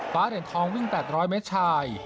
เหรียญทองวิ่ง๘๐๐เมตรชาย